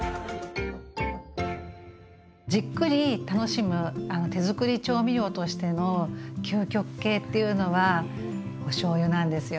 じっくり楽しむ手づくり調味料としての究極形っていうのはおしょうゆなんですよ。